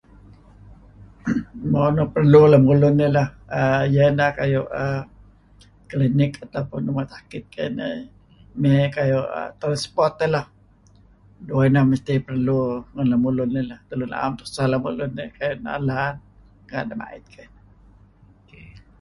Mo nuk perlu lemulun eh lah iyeh neh kayu' klinik ataupun ruma' sakit kayu' ineh mey kayu' transport eh lah, dueh inah mesti perlu ngan lemulun eh lah [unintelligible] 'am ideh kereb nalan renga' iden ma'it keh.